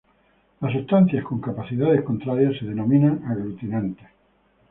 Las substancias con capacidades contrarias se denominan aglutinantes.